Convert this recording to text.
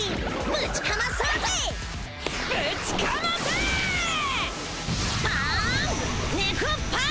ぶちかませー！